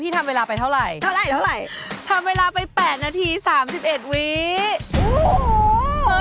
ทำเวลาไปเท่าไหร่เท่าไหร่ทำเวลาไปแปดนาทีสามสิบเอ็ดวิโอ้โห